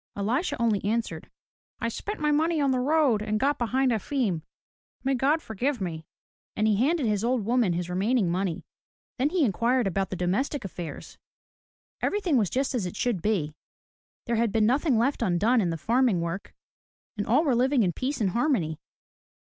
EHsha only answered, " I spent my money on the road and got behind Efim. May God forgive me!'* And he handed his old woman his remaining money. Then he inquired about the domestic affairs. Everything was just as it should be. There had been nothing left undone in the farm work and all were living in peace and harmony.